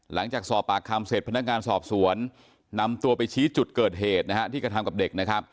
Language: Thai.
หลังจากสอบปากคำเสร็จพนักงานสอบสวนนำตัวไปชี้จุดเกิดเหตุที่กระทำกับเด็กนะครับ